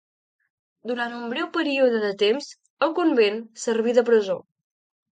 Durant un breu període de temps, el convent serví de presó.